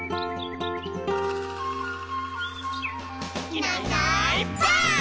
「いないいないばあっ！」